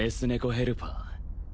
ヘルパー